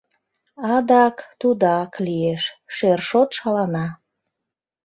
Адак тудак лиеш — шершот шалана.